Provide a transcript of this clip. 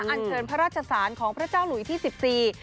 อันเชิญพระราชสารของพระเจ้าหลุยที่สิบสี่